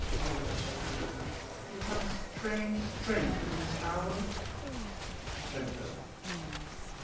OLIVE. You have a strange strength in this hour. REDFEATHER.